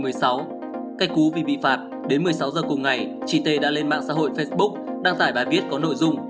cách cú vì bị phạt đến một mươi sáu giờ cùng ngày chị tê đã lên mạng xã hội facebook đăng tải bài viết có nội dung